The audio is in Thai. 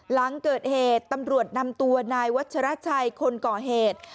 หลังเกิดเหตุตำรวจนำตัวนายวัชราชัยคนก่อเหตุ